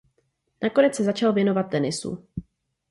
Nakonec se začal věnovat tenisu.